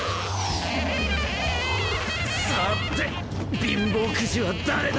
さて貧乏くじは誰だ？